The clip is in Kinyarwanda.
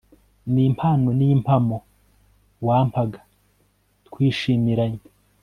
ni impano y'impamo wampaga twishimiranye